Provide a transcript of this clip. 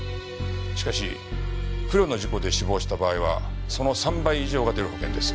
しかし不慮の事故で死亡した場合はその３倍以上が出る保険です。